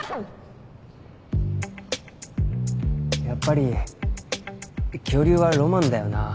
やっぱり恐竜はロマンだよな。